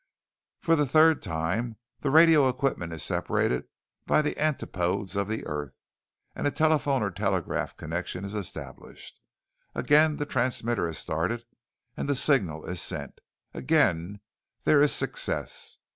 For the third time, the radio equipment is separated by the antipodes of the earth and a telephone or telegraph connection is established. Again the transmitter is started and the signal is sent; again there is success.